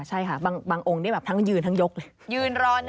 ใช่ค่ะบางองค์นี่แบบทั้งยืนทั้งยกเลยยืนรอนะ